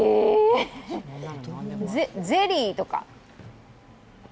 ゼリーとか？